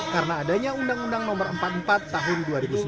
karena adanya undang undang no empat puluh empat tahun dua ribu sembilan